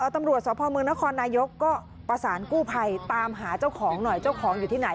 ตำรวจสพเมืองนครนายกก็ประสานกู้ภัยตามหาเจ้าของหน่อยเจ้าของอยู่ที่ไหน